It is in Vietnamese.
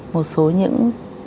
một số những